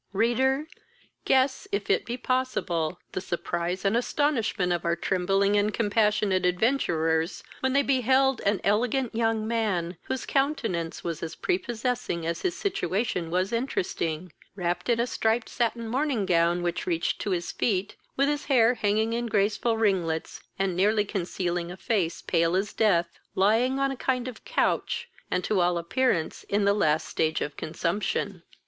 Reader, guess, if it be possible, the surprise and astonishment of our trembling and compassionate adventurers, when they beheld and elegant young man, whose countenance was as prepossessing as his situation was interesting, wrapped in a striped satin morning gown, which reached to his feet, with his hair hanging in graceful ringlets, and nearly concealing a face pale as death, lying on a kind of couch, and to all appearance in the last stage of a consumption.